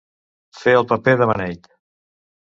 Fer el paper de beneit.